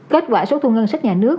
kết quả số thu ngân sách nhà nước